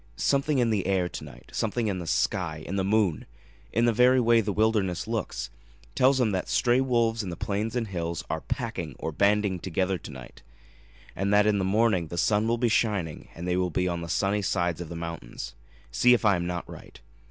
Something in the air to night, something in the sky in the moon in the very way the wilderness looks, tells him that stray wolves in the plains and hills are 'packing' or banding together to night, and that in the morning the sun will be shining, and they will be on the sunny sides of the mountains. See if I am not right.